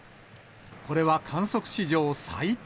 これは観測史上最多。